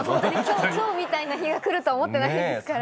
今日みたいな日が来ると思ってないですから。